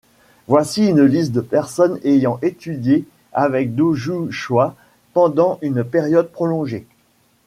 Voici une liste de personnes ayant étudié avec Doju Choi pendant une période prolongée.